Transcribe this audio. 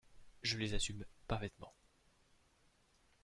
Je les assume parfaitement.